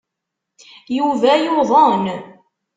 Yuba yuḍen.